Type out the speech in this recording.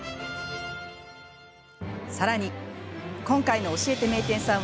さらに、今回の「教えて名店さん！」